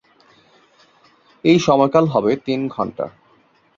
এই সময়কাল হবে তিন ঘণ্টা।